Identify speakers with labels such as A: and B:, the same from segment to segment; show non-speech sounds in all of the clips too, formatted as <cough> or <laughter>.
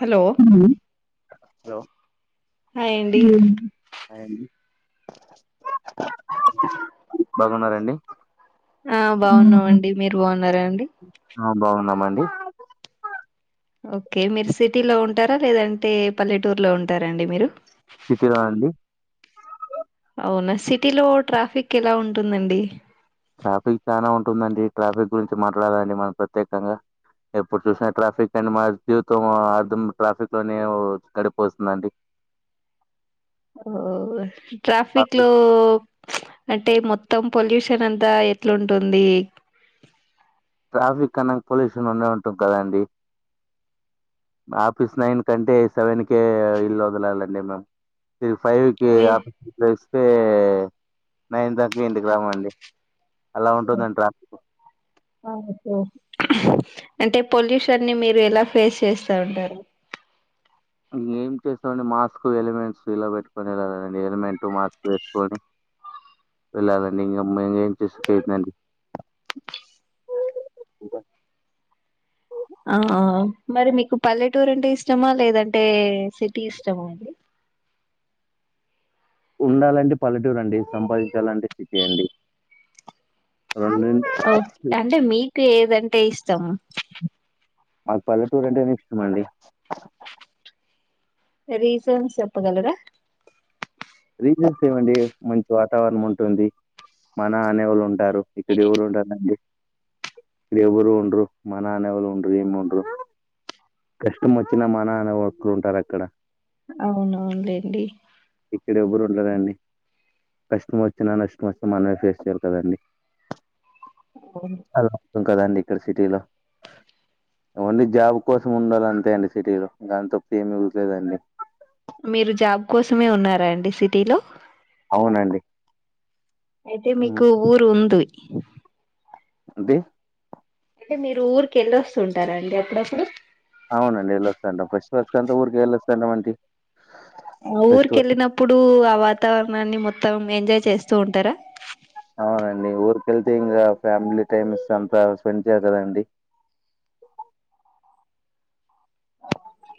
A: Hello
B: హ్మ్మ్. Hello.
A: Hi అండి
B: <unintelligible> hi అండి. బాగున్నారా అండి?
A: ఆ బాగున్నామండి మీరు బాగున్నారా అండి
B: ఆ బాగున్నామండి
A: ఓకే మీరు సిటీలో ఉంటారా? లేదంటే పల్లెటూరులో ఉంటారా అండి మీరు
B: సిటీ లోఅండి
A: అవునా సిటీలో ట్రాఫిక్ ఎలా ఉంటుందండి
B: ట్రాఫిక్ చాలా ఉంటుందండి. ట్రాఫిక్ గురించి మాట్లాడాలండి మనం ప్రత్యేకంగా ఎప్పుడు చూసినా ట్రాఫిక్ అండి మా జీవితంలో అర్థం ట్రాఫిక్ లోనే గడిపోస్తుందండి
A: ఓ ట్రాఫిక్ లో అంటే మొత్ మొత్తం పొల్యూషన్ అంతా ఎట్లుంటుంది
B: ట్రాఫిక్ కన్నా పొల్యూషన్ ఉండ ఉంటుంది కదండి ఆఫీస్ నైన్ కంటే సెవెన్కే ఇల్లు వదలాలండి మేము ఇక ఫైవ్ కి
A: మీ
B: ఆఫీస్ క్లోజ్ నైన్ దాటి ఇంటికి రావాలి అలా ఉంటుందండి ట్రాఫిక్
A: అంటే పొల్యూషన్ని మీరు ఎలా ఫేస్ చేస్తా ఉంటారు
B: ఇంకేం చేస్తామండి మాస్క్ ఎలిమెంట్స్ ఇలా పెట్టుకొని వెళ్ళాలండి ఎలిమెంటట్ మాస్క్ వేసుకొని వెళ్ళాలండి ఇంక మేం ఏం చేసు అందండి
A: ఆ మరి మీకు పల్లెటూరు అంటే ఇష్టమా లేదంటే సిటీ ఇష్టమా అండి
B: ఉండాలంటే పల్లెటూరండి, సంపాదించాలంటే సిటీ అండి రెండు
A: ఓకె అంటే మీకే దంటే ఇష్టం
B: మాకు పల్లెటూరు అంటేనే ఇష్టం అండి
A: రీసన్ చెప్పగలరా
B: రీజన్స్ ఏవండి మంచి వాతావరణం ఉంటుంది. మన ఆనేవాళ్ళు ఉంటారు, ఇక్కడ ఎవరు ఉంటారండి ఎవరు ఉండరు మన అనేవాళ్ళు ఉండరు ఏమి ఉండరు కష్టం వచ్చినా మన అనేవాక్కు ఉంటారక్కడ
A: అవునవునులేండి
B: ఇక్కడ ఎవరు ఉండరండి కష్టం వచ్చినా, నష్టం వచ్చే మనమే ఫేస్ చేయాలి కదండి <inaudible> కదండి సిటీలో ఓన్లీ జాబ్ కోసం ఉండాలి అంతే అండి సిటీ లో దాని తప్ప ఏమి ఇవ్వలేదండి
A: మీరు జాబ్ కోసమే ఉన్నారా అండి సిటీలో
B: అవునండి
A: అయితే
B: హ్మ్
A: మీకు ఊరు ఉంది
B: అండి
A: అంటే మీరు ఊరికి వెళ్ళి వస్తుంటారా అండి అప్పుడప్పుడు
B: అవునండి వెళ్ళొస్తాంటాం ఫస్ట్ మంత్ కళ్ళ ఊరికి వెళ్ళొస్తాను అండి ఫెస్టివల్
A: ఊరికెళ్ళినప్పుడు ఆ వాతావరణాన్ని మొత్తం మొత్తం ఎంజాయ్ చేస్తూ ఉంటారా
B: అవునండి ఊరికెళ్తే ఇంకా ఫ్యామిలీ టైమ్స్ అంతా స్పెండ్ చేయ కదండి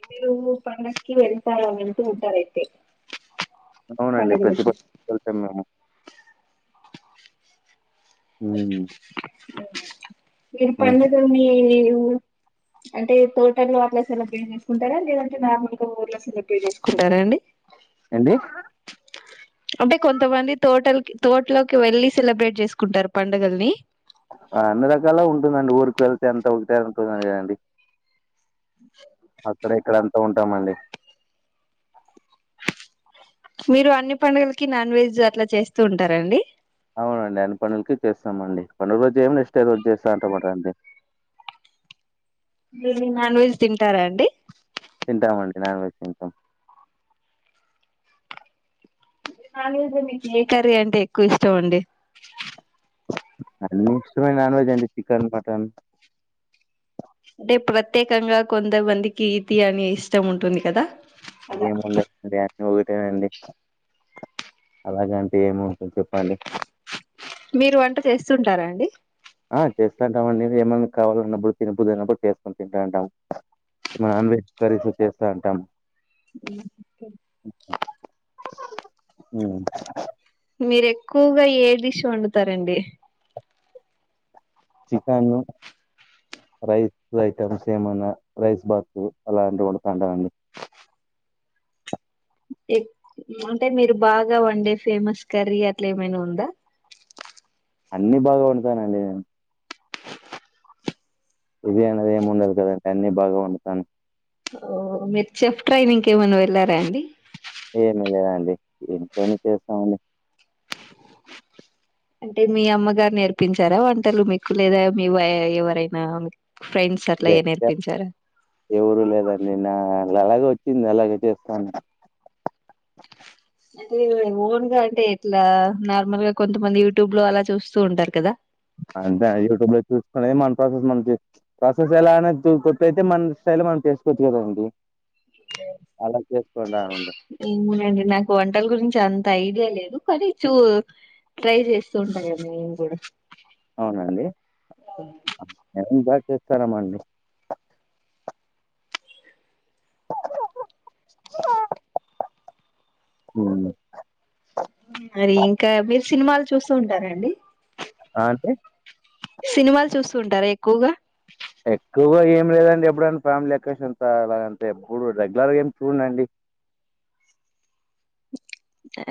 A: మీరు పండగకి వెళ్తా వెళ్తూ ఉంటారయితే
B: అవునండి ప్రతి
A: పండగలకి
B: <unintelligible> వెళ్తాం మేము మ్మ్
A: మీరు
B: హ్మ్.
A: <unintelligible> అంటే తోటలో అట్లా సెలబ్రేట్ చేసుకుంటారా లేదంటే నార్మల్ గా ఊర్లో సెలబ్రేట్ చేసుకుంటారా అండి
B: ఏంటి
A: అంటే కొంతమంది తోటలకి తోటలోకి వెళ్ళి సెలబ్రేట్ చేసుకుంటారు పండగల్ని
B: అన్ని రకాల ఉంటుందండి. ఊరికు వెళ్తే అంతా ఒకటే <inaudible> అండి అక్కడ ఇక్కడం ఉంటామండి
A: మీరు అన్ని పండగల్కి నాన్ వెజ్ అట్లా చేస్తూ ఉంటారండి
B: అవునండి అన్ని పండుగలకి చేస్తామండి పండుగ రోజు <inaudible> రోజు చేస్తా అంటమాట అండి
A: మీరు నాన్ వెజ్ తింటారా అండి
B: తింటామండి నాన్ వెజ్ తింటాం
A: ఏ కర్రీ అంటే ఎక్కువ ఇష్టం అండి
B: అన్ని ఇష్టమే నాన్ వెజ్ అండి చికెన్, మటన్
A: అంటే ప్రత్యేకంగా కొంతమందికి ఇది అని ఇష్టం ఉంటుంది కదా అలా
B: ఏముంది ఒకటేనండి అలాగంటే ఏమి ఉంటుంది చెప్పండి
A: మీరు వంట చేస్తుంటారాండి
B: ఆ చేస్తాంటాం అండి ఏమైన్నా కావాలన్నప్పుడు తినబుద్ది అయినప్పుడు చేసుకొని తింటాంటాము. నాన్ వెజ్ కర్రీస్ చేస్తాంటాము
A: అ
B: మ్మ్
A: మీరు ఎక్కువగా ఏ డిష్ వండుతారండి
B: చికెన్, రైస్ ఐటమ్స్ ఏమన్నా రైస్ బాతు అలాంటి వండుతాంటం అండి
A: అంటే మీరు బాగా వండే ఫేమస్ కర్రీ అట్లా ఏమైనా ఉందా
B: అన్ని బాగా వండుతానండి ఇది అనేది ఏమి ఉండదు కదండి అన్నిీ బాగా వండుతాను
A: ఓ మీరు చెఫ్ ట్రైనింగ్ కి ఏమైనా వెళ్లారా అండి
B: ఏమి లేదండి ఇంట్లోనే చేస్తామండి
A: అంటే మీ అమ్మగారు నేర్పించారా వంటలు మీకు లేదా మీ వ ఎవరైనా ఫ్రెండ్స్ అట్లా నేర్పించారా
B: ఎవరు లేరండి నా అలాగే వచ్చింది అలాగే చేస్తాను
A: అదే ఓన్గా అంటే ఎట్లా నార్మల్ గా కొంతమంది యూట్యూబ్ లో అలా చూస్తూ ఉంటారు కదా
B: అంతే యూట్యూబ్ లో చూసుకునేది మన ప్రాసెస్ మనం ప్రాసెస్ ఎలా అనే కొత్తైతే మన స్టైల్ మనం చేసుకోవచ్చు కదండి అలా చేసుకుంటానండి
A: ఏమోనండి నాకు వంటల్ గురించి అంత ఐడియా లేదు కానీ చు ట్రై చేస్తూ ఉంట గద్ నెన్ గుడ
B: అవునండి అం ఎ ఉ బట్ చేస్తారామండి హ్మ్
A: మరి ఇంకా మీరు సినిమాలు చూస్తూ ఉంటారండి
B: అంటే
A: సినిమాలు చూస్తుంటారా ఎక్కువగా
B: ఎక్కువగా ఏం లేదండి ఎప్పుడన్న ఫ్యామిలీ అక్కేషన్ అలా ఎల్తే ఎప్పుడు రెగ్యులర్గా ఏం చూడనండి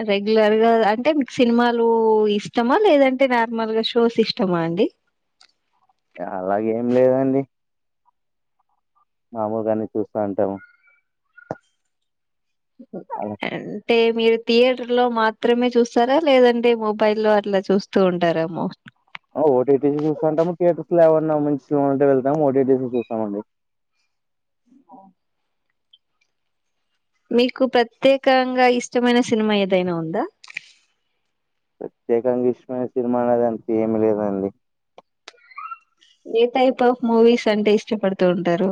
A: రెగ్యులర్గా అంటే మీకు సినిమాలు ఇష్టమా లేదంటే నార్మల్ గా షోస్ ఇష్టమా అండి
B: అలాగేం లేదండి మామూలుగా అన్ని చూస్తా ఉంటాము అలా
A: అంటే మీరు థియేటర్ లో మాత్రమే చూస్తారా లేదంటే మొబైల్ లో అట్లా చూస్తూ ఉంటారామో
B: ఓటీటీ చూస్తుంటాము, థియేటర్స్ లో ఏవన్నా మంచి సినిమా ఉంటే వెళ్తాము. లేకపోతే ఓటీటీలో చూస్తామండి
A: అవును మీకు ప్రత్యేకంగా ఇష్టమైన సినిమా ఏదైనా ఉందా
B: ప్రత్యేకంగా ఇష్టమైన సినిమా అనేది అంత్ ఎం లేదండి
A: ఏ టైప్ ఆఫ్ మూవీస్ అంటే ఇష్టపడుతూ ఉంటారు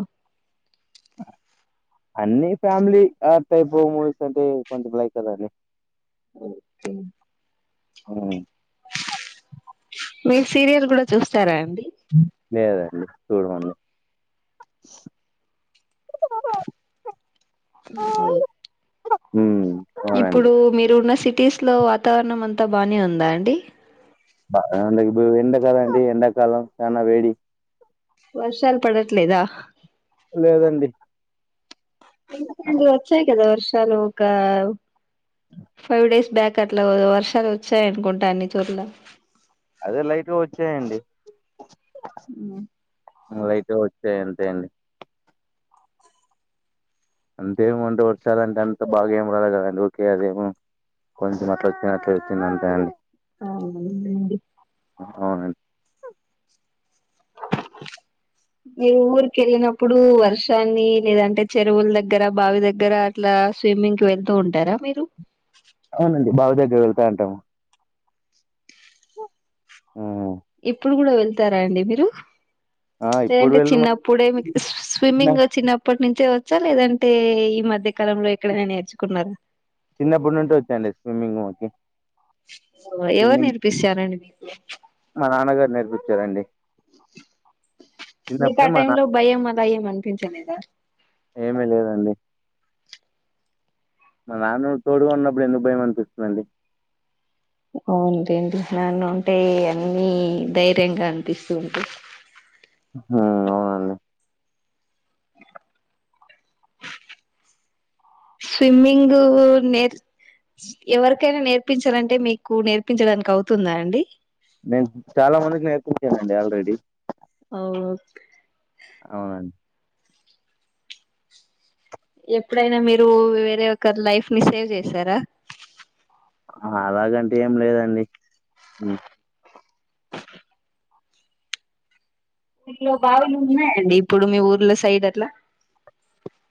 B: అన్ని ఫ్యామిలీ అ టైప్ మూవీస్ అంటే కొంచెం లైక్ కదండి ఉమ్
A: మీరు సీరియల్ కూడా చూస్తారా అండి
B: లేదండి చూడమండి
A: మ్ ఔ
B: మ్మ్
A: ఇప్పుడు మీరు ఉన్న సిట్ టీస్ లో వాతావరణం అంతా బానే ఉందా అండి
B: బ అ దెగ్బు ఎండ కదండి ఎండకాలం చానా వేడి
A: వర్షాలు పడట్లేదా
B: లేదండి
A: ఎందుకండీ వచ్చాయి కదా వర్ష చలు వొకావ్ ఫైవ్ డేస్ బ్యాక్ అట్లా వర్షాలు వచ్చాయినుకుంటాన్ని చోట్ల
B: అదే లైట్గా వచ్చాయండి
A: ఉమ్ము
B: మన లైఫ్ఎ వచ్చే అంతే అండి అంతేమ అంటే వర్షాలు అంటే అంత బాగా ఏం రాలదు కదండి ఓకే అదేమో కొంచెం అట్లా వచ్చ అట్ వచ్చింది అంతే అండి
A: అవు నన్ నండి
B: అవునం
A: మీరు ఊరిక వెళ్ళినప్పుడు వర్షాన్ని లేదంటే చెరువుల దగ్గర బావి దగ్గర అట్లా స్విమ్మింగ్ కి వెళ్తూ ఉంటారా మీరు
B: అవునండి బావ దగ్గర వెళ్తా అంటము ఉమ్.
A: ఇప్పుడు కూడ వెళ్ తరా అండి మీరు
B: ఆ ఇప్పుడు
A: లేదంటే
B: వెళ్ళ
A: చిన్నప్పుడే మిక్ స్
B: చిన్న
A: స్విమ్మింగ్ చిన్నప్పట్ నుంచే నచ్చలేదంటే, ఈ మధ్యకాలంలో ఎక్కడైనా నేర్చుకున్నారా?
B: చిన్నప్పుడు నుంటి వచ్చండి. స్విమ్మింగ్ మకి
A: ఎవరు నేర్పిస్తారండి మీకు?
B: మా నాన్నగారు నేర్పించారండి.
A: మీకు ఆ
B: చిన్నప్పుడే మా
A: టైంలో భయం, అలా ఏమీ అనిపించలేదా?
B: ఏమి లేదండి మా నాన్న తోడుగా ఉన్నప్పుడు ఎందుకు భయం అనిపిస్తుందండి
A: అవున్టెంటి నన్నుంటే అన్నీ ధైర్యంగా అనిపిస్తూ ఉంటి
B: ఆ అవునం
A: స్విమ్మింగ్ నేర్ ఎవరికైనా నేర్పించాలంటే మీకు నేర్పించడానికి అవుతుందా అండి
B: నేను చాలా మందికి నేర్పించానుండి ఆల్రెడీ
A: ఓ
B: అవునం
A: ఎప్పుడైనా మీరు వేరే ఒకరు లైఫ్ ని సేవ్ చేశారా
B: అలాగంటు ఏం లేదండి మ్
A: ఇంట్లో బావులు ఉన్నాయండి ఇప్పుడు మీ ఊర్లో సైడ్ అట్లా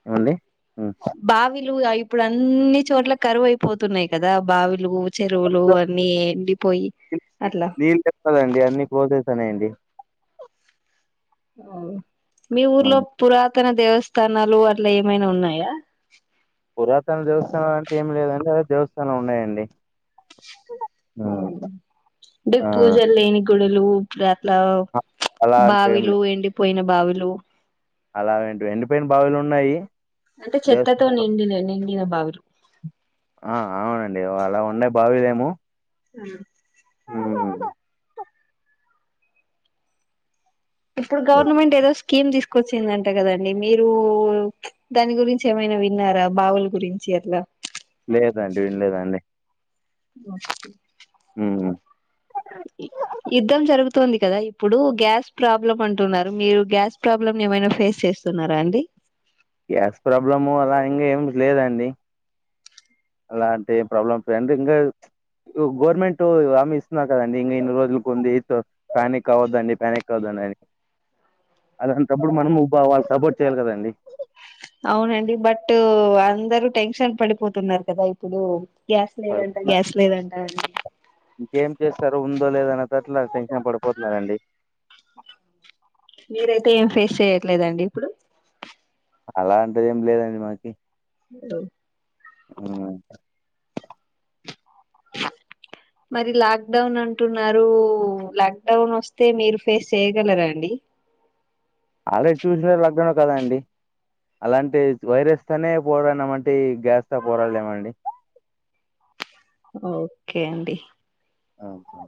B: ఏమండి హ్మ్.
A: బావిలు అయి ఇప్పుడు అన్ని చోట్ల కరువుయిపోతున్నాయి కదా. బావి లు, చెరువులు, అన్ని ఎండి పోయి.
B: నీళ్లు పెట్టదండి, అన్నీ కోసేసి. తానే అండి.
A: ఆగు. మీ ఊర్లో పురాత్ నూతన దేవస్థానాలు అట్లా ఏమైనా ఉన్నాయా?
B: పురాతన దేవస్థానాలు అంటే ఏం లేదండి. అదే దేవస్థానం ఉన్నాయండి. హ్మ్.
A: ఉమ్ అంటే
B: ఆ
A: పూజలు లేని. గుడులు లవ్,
B: అలాంటివి
A: బావిలు ఎండి పో పోయిన బావిలు
B: అలాంవెటివి ఎండిపోయిన బావులు ఉన్నాయి.
A: అంటే, చెత్తతో
B: దేవస్థానం
A: నిండిన నిం నీళ్ల బావిరు.
B: ఆ, అవునండి. అలా ఉండే బావిలేమో.
A: మ్మ్
B: హుమ్
A: ఇప్పుడు గవర్నమెంట్ ఏదోస్ కిమ్ తీసుకొచ్చిందంట కదండి. మీరు దాని గురించి ఏమైనా విన్నారా? బావుల గురించి అట్లా?
B: లేదండి విన్లేదండి. ఉమ్
A: యుద్ధం జరుగు. తుంది కదా ఇప్పుడు గ్యాస్ ప్రాబ్లమ్ అంటున్నారు. మీరు గ్యాస్ ప్రాబ్లమ్ ఏమైనా ఫేస్ చేస్తున్నారా అండి.
B: గ్యాస్ ప్రాబ్లము అలా ఇంగా ఏం లేదండి. అలాంటి ఏ ప్రాబ్లమ్ ట్రెండింగు ప్చ్ గవర్నమెంట్ హామీ ఇస్తున్నారు కదండి. ఇంగా ఇన్ని రోజులకు ఉంది. ఎయిత్ ప్యానిక్ కావ్వొదండి ప్యానిక్ కావ్వొదండి అని అలాంటప్పుడు మనం బాగా వాళ్ళాకు సపోర్ట్ చేయ్యాలి కదండి.
A: అవునండి, బట్ అందరూ టెన్షన్ పడిపోతున్నారు కదా ఇప్పుడు. గ్యాస్ లేదంట,
B: పడుతున్నారు
A: గ్యాస్ లేదంట. అది
B: ఇంకేం చేస్తారో, ఉందో లేదో అన్న తట్లా టెన్షన్ పడిపోతున్నారండి.
A: మీరైతే ఏం ఫేస్ చెయట్లేదండి ఇప్పుడు?
B: అలాంటిదేమీ లేదండి మాకి.
A: <inaudible>
B: ఆ
A: మరి లాక్‌డౌన్ అంటున్నారు. లాక్‌డౌన్ వస్తే, మీరు ఫేస్ చేయగలరా అండి?
B: ఆల్రెడీ చూసిన లాక్‌డౌన్ కదండీ. అలాంటి వైరస్ తోనే పోరాడినం మంటే గ్యాస్ తో, పోరాడలేమా అండి?
A: ఓకే అండి.
B: ఓకే.